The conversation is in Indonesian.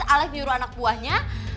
alex nyuruh anak buahnya